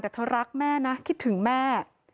แต่เธอรักแม่นะคิดถึงแม่